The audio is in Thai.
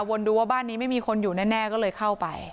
ดูว่าบ้านนี้ไม่มีคนอยู่แน่ก็เลยเข้าไป